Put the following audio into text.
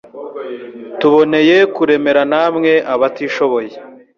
tuboneye kurmera namwe abatishoboye